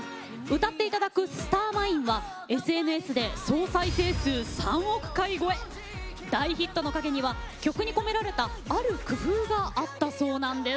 歌って頂く「スターマイン」はＳＮＳで大ヒットの陰には曲に込められたある工夫があったそうなんです。